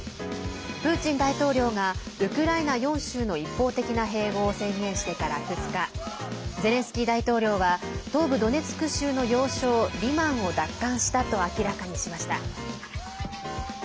プーチン大統領がウクライナ４州の一方的な併合を宣言してから２日ゼレンスキー大統領は東部ドネツク州の要衝リマンを奪還したと明らかにしました。